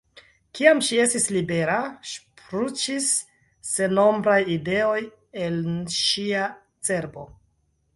Kiam ŝi estis libera, ŝprucis sennombraj ideoj en ŝia cerbo.